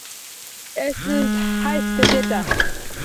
Esiz, hayf gazeta